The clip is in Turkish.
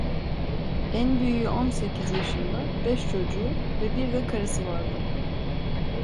En büyüğü on sekiz yaşında beş çocuğu ve bir de karısı vardı.